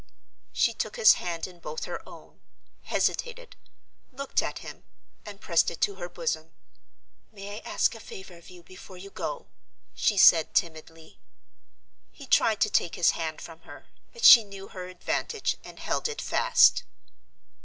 She took his hand in both her own—hesitated—looked at him—and pressed it to her bosom. "May I ask a favor of you, before you go?" she said, timidly. He tried to take his hand from her; but she knew her advantage, and held it fast.